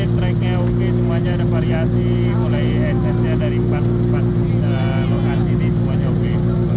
tracknya oke semuanya ada variasi mulai ss nya dari empat lokasi ini semuanya oke